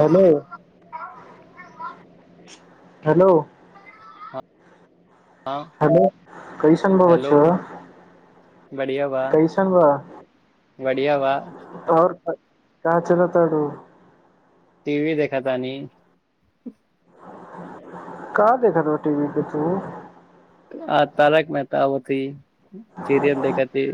hello hello हँ hello कैइशन बाब हेलो छ बा बढ़िया बा कैइशन बढ़िया बा आओर का चलतड़ टीवी देखख तानी का देखत रह टीवी पे तु आ तारक मेहता ओथि सीरियल देखथि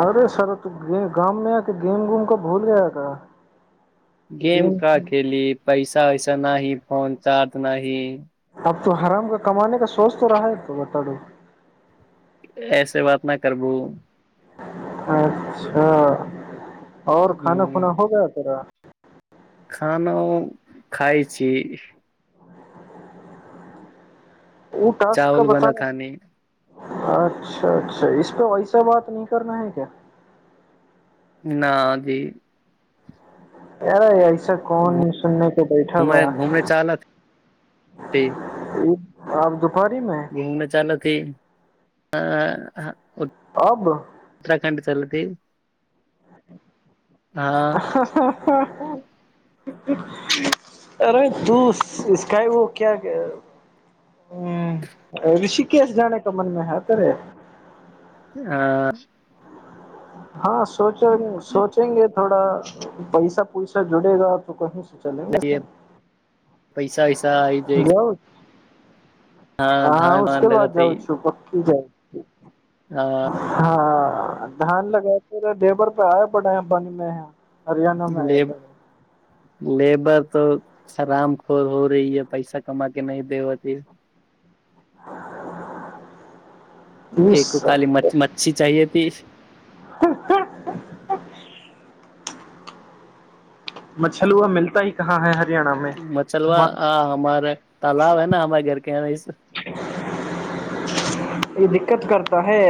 अरे सर त गाममेके गेम गूम क भूल गय का गेम का खेलेली पैसा वैसा नहि फोन चार्ज नहि अब तो हराम का कमाने का सोच तो रहा ह तो बता दू ऐसे बात न करबू अच्छा और खाना खुना हो गया तोरा खानो खाइ छी उ टास्क का चावल बनत हानी बताना अच्छा अच्छा इसपे वैसा बात न करना है क्या न जी यारे ऐसा कोन सुनने पे बैठा बा घूमे घूमे चालत आब त घुम मे चालत [inaudible] आब कटा चलत [inaudible] अरे तू इसको क ऋषिकेश जाने क मनमे ह तरे आ हँ सोचो न सोचेंगे थोड़ा पैसा पुइसा जुड़ेगा तो कही चलेंगे फन पैसा इस पैसा इ देख ह उसके बाद है जाउ छौ पक्की जाउ [inaudible] हँ धान लगाे लेबर पे आय पड़े हैं पानी मे यहाँ हरियाणामे आ लेब लेबर तो हरामखोर हो रही है पैसा कमा के नहि दे होती [inaudible] तीस एको खाली मच मच्छी चाहिए ती मछलुह मिलता ही कहाँ है हर मचलबा ह हमार तालाब है न हमारे घरके य इस उ दिक्कत करता है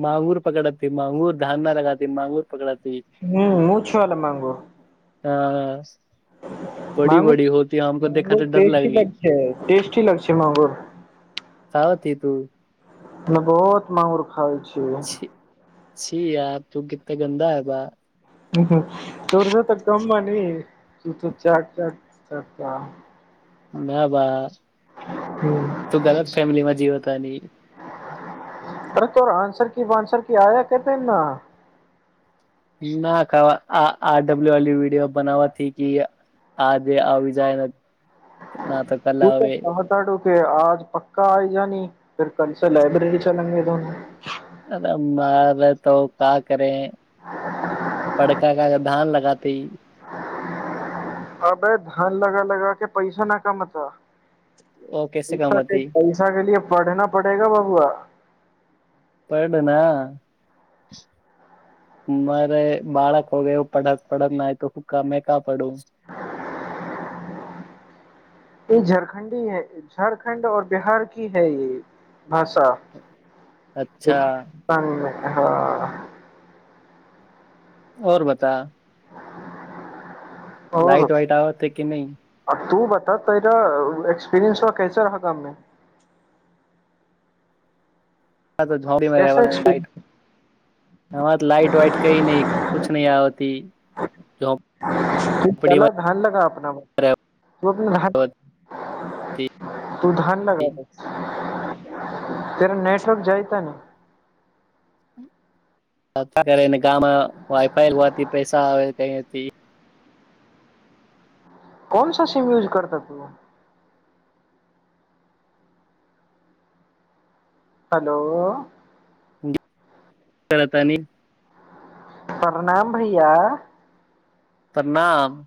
मांगुर पकड़त मांगुर धान नहि लगात मांगुर पकड़त ह्म मूछवाला मांगुर ह मंग देखा मांगुर तो डर टेस्टी लगी लग छै टेस्टी लग छै मांगुर सावत ही तू बहुत मांगुर खाइ छी जे छी यार तू कितना गन्दा है बा तोरस तऽ कमबानि त त च च च बाह बाह तू गलत फैमली मे जीव तानि अरे तोर आन्सर की बानसर की आया कतै न न ख आ आर डब्ल्यू वी विडओ बनाब की आ जे आ जाइ तू तऽ कहतारु ते आज पक्का आइ यानी फेर कल से लाइब्रेरी चलेंगे दोनो अरर मारे तो का करे पड़का का जब धान लगाता ति अबे धान लगा लगा के पैसा न कमाता पैसा के पैसा के लि पढ़ना पड़ेगा बबुआ मरै बालक हो गय ओ पढ़क पढ़क नहि तऽ हुका मै का पढ़ू ई झारखंडी है झारखंड और बिहार की है ये भाषा हँ आओर बता आओर लाइट वाइट आबतै कि नहि त अ तेरा एक्सपीरियन्स वा कैसा रहा काममे ह झी ल कैसा एक्सपीरियंस हऽ लाइट वाइट कही न इ कुछ न इ आव इ त ह इ तल अ धान ल अपना ब तू अपना भाई तू धान लगाबअ तेरा नेटवर्क जाइ त ने कर गाममे वाइफाय होयत ह इ पैसा आ कथि कौन सा सिम यूज करता तू हेलो कर तानी प्रणाम भैया प्रणाम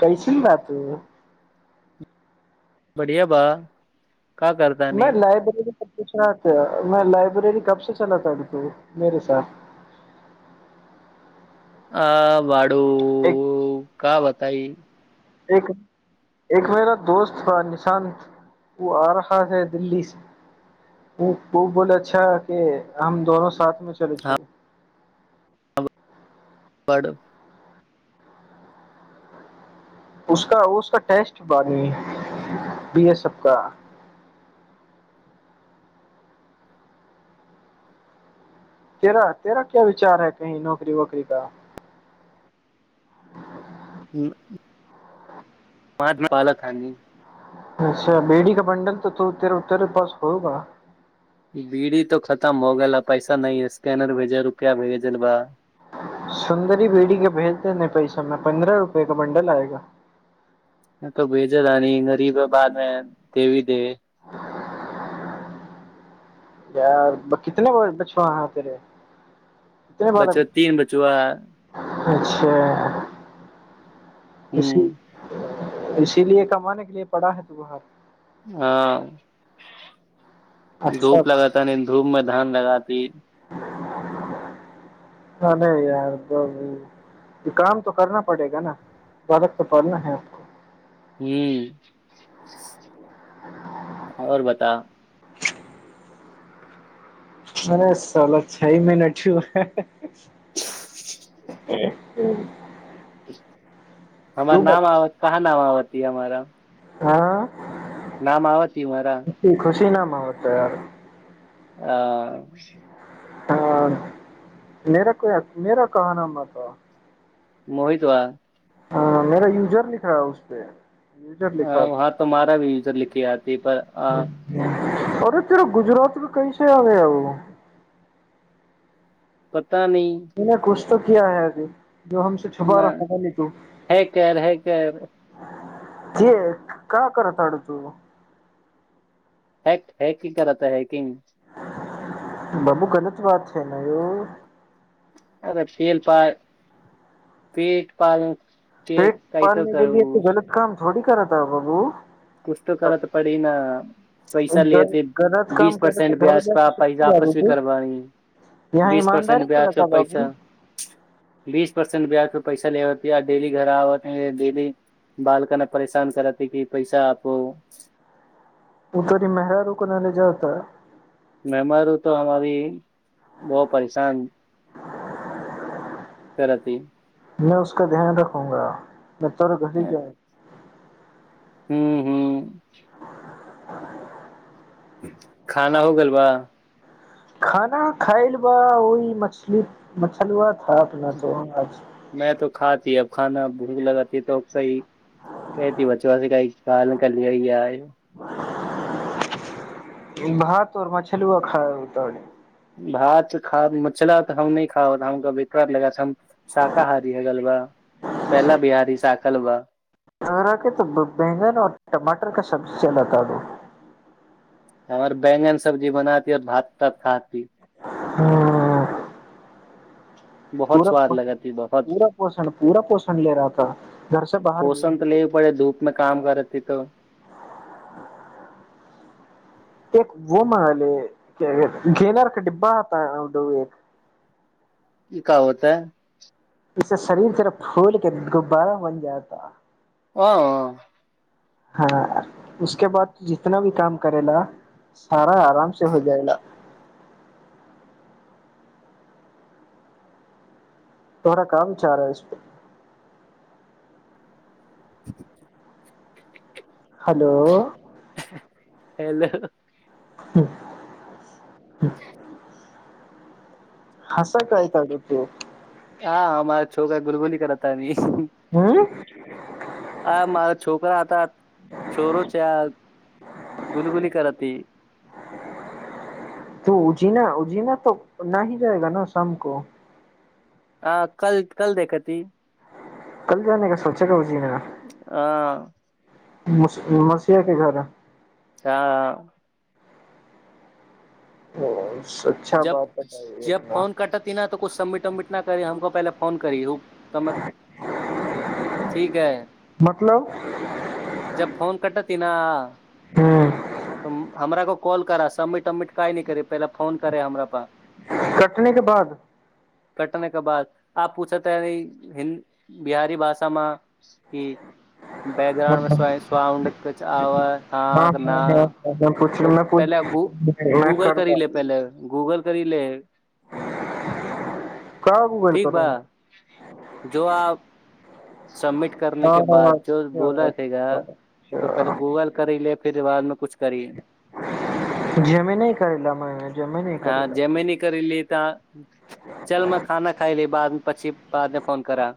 कैइसन बा तू बढ़िया बा का करतानि पुछ रहे मैं लाइब्रेरी कब से चलाता तू मेेरे साथ आ ब एक का बताई एक एक मेरा दोस्तथा निशान्त ओ आ रहा है दिल्ली से ओ ओ बोल अच्छा के हम दोनो साथ मे चलै छु बड उसका उसका टेस्ट बा दी बी एस एफ का तेरा तेरा क्या विचार है कही नौकरी वौकरी का ह्म ब पाल ही अच्छा बेड़ी का बं्डल तऽ तो उतर उतर पास होगा बीड़ी तो खतम हो गेल पैसा न ह स्कैनर भेजे रुपआ भेजल बा सुन्दरी बीड़ी के भेज देे ने पैसामे पन्द्रह रुपए का बंडल आएगा नहि त भेज रहान गरीब बादमे दे भी दे [inaudible] यार कितने बछुआ हैं तेरे कितने बार बच्चआ तीन बचुआ अच्छा ह खुशी इसीलिए कमााने के लए पड़ा ह तू बर हँ अच्छा धूप लगतानि धूप म धान लगाती अ नहि यार काम तऽ करना पड़ेगा न गलत तऽ पड़ना हैको ह्म आओर बता [inaudible] मने सोल छ महिनेट छ हमर नाम बता आबत कहाँ नाम आबत ती हमार नाम हँ नाम आबति हमारा हम होतै आ [unintelligible] आ ह मेरा कोइ मेरा कह नाम तऽ मोहित वा ह मेरा यूजर लखल ह उसपे ह हह तऽ मरा भी यूजर लिखी आती पर अ अरे तेरा गुजरात मे कैसे आ गया हो पत ता नहि तूने कुछ तो कीया है अभी जो हमसे म छुपा रहा था नहीं तू हे कर हे कर की क करअ तारु तू है हैकिंग करत ता हैकिंग बाबू गलत बात छै न यो अरे पेल पाल पेट पालन के पेट कैतो पालने के लि तू करू गलत काम थोड़ी कर ता बाबू कुछ तो करऽ त पड़ी न पैसा ले ग- ते गलत बीस काम करे तो परसेंट घर ब्याज जाके प सुखी पैसा जा वपस भी बाबू करबी यहाँ बीस परसेंट ईमानदारी के ब्याज रखा प बाबू पैसा बीस परसेंट ब्याज पर पैसा ले होती है आ डेली घर आत ह डेली बालकन परेशान करती कि पैसा आपको ओतरी मेहररू कोना ले जाउ तँ मेहरारु तऽ हमर बहु परेशान करती में उसका ध्यान रखूगा नहि तोर घरी जाइ हू हू खाना हो गइल बा खाना खायल बा ओहि मछली मछलुआ खा पीना चाहन अज खातीै अब खाना भूक लगातीै त सही कती बज क साल कली होइ य [unintelligible] भात ओर मछलुआ खा उत भात खा मछला तऽ हम नै खा लगा हम शाकाहारी ह गलबा पहला बिहारारी शाकलवा तोरा के तऽ बैगन आऔ टमाटर क सबब्जी ज लता दू हमर बैंगन सब्जी बनाती और भात तात खातती हँ बहुत स्वाद लगा ती बहुत पूरा पोषण पूरा पोषण ले रहा था घर से बाहर भी पोषण तऽ ले पड़े धूप मे काम करेती त एक वो महले गेनारके डिब्बा आता हो एक ई क होतै जसे शरीर तरफ फूल के गुब्बारा बन जाता ह हँ उसके बाद जितना भी काम करे ला सारा आराम से हो जाएगा थोड़ा कामच रहाै इसप [unintelligible] हेलो हलो [unintelligible] हसएत ऐत दुगो हँ हमरा छौका गुलगुली करततानि हम्म आ मरा छोकरा छोर छै आ गुलगुली करत ह इ तू उ जीना उ जीना तऽ न ही जायगा न शाम को आ कल कल देखै ती कल जाने का सोचेगा ओ जीना ह मौस मौसीहा के घर ह ह ओ अच्छा बात ह अपना उ सबिटिट वबमिट ना करि हमको पहिने फोन करी रूक त मत ठीक है मतलब जब फोन कट त तिना हूँ त हमरा को कॉल करा सबमिट वबमिट कइ न करे पहिले फोन करे हमरा पास कटने के बाद कटने के बाद आ पूछ त ह इ हिन्द बिहारी भाषामे की हाँ बैकग्राउंड में हाँ स्वे साउंड कुछ आव अ हा कि ना पछि तो पहिले प गू नय गूगल करी करबो ले पहिले गूगल करि ले का गूगल ठीक बा करूंगा जो आप सबमिट करने हँ के बाद जो बोला छैेगा अच्छा तो पहिले अच्छा गूगल करी ले फेर बादमे कुछ करी जेमे न करै ल मने जमे नहि करै हँ ल जेमे न करी ली तऽ चल मैं खाना खाइ ली बाद पछ्छि बाद मे फोन करा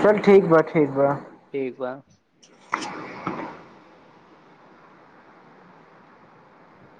चल ठीक बा ठीक बा ठीक बा [inaudible]